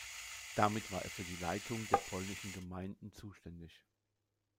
Damit war er für die Leitung der polnischen Gemeinden zuständig.